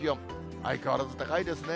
相変わらず高いですね。